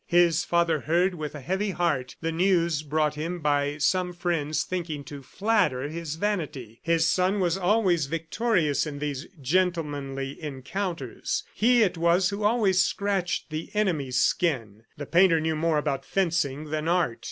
His father heard with a heavy heart the news brought him by some friends thinking to flatter his vanity his son was always victorious in these gentlemanly encounters; he it was who always scratched the enemy's skin. The painter knew more about fencing than art.